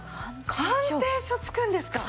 鑑定書付くんですか！